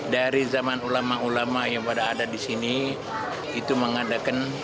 dari zaman ulama ulama yang pada ada di sini itu mengadakan